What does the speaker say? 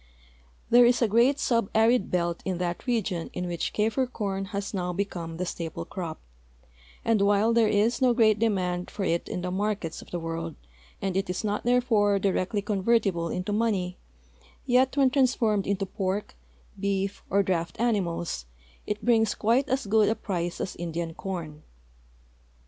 There is a great subarid belt in that region in which Kafir corn has now become the staple crop, and while there is no great demand for it in the markets of the world, and it is not, therefore, directly convertible into money, yet, when transformed into ])ork, beef, or draft animals, it brings quite as good a price as Indian corn.